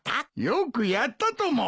よくやったとも。